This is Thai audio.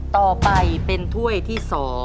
ต่อไปเป็นถ้วยที่๒